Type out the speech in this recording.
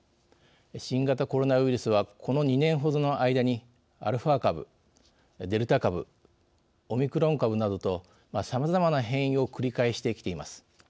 新型コロナウイルスはこの２年ほどの間にアルファ株、デルタ株オミクロン株などとさまざまな変異を繰り返してきています。